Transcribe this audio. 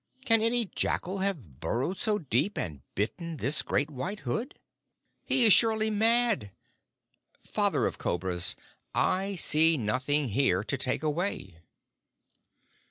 "Can any jackal have burrowed so deep and bitten this great White Hood? He is surely mad. Father of Cobras, I see nothing here to take away."